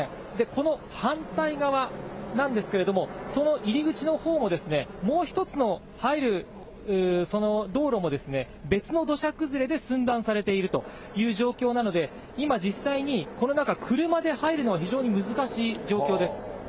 この反対側なんですけれども、その入り口のほうも、もう１つの入る道路も別の土砂崩れで寸断されているという状況なので、今、実際に、この中、車で入るのは、非常に難しい状況です。